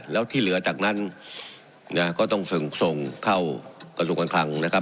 แล้วที่เหลือจากนั้นก็ต้องส่งเข้ากระทรวงการคลังนะครับ